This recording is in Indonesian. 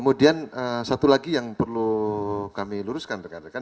kemudian satu lagi yang perlu kami luruskan rekan rekan